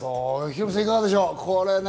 ヒロミさん、いかがでしょう？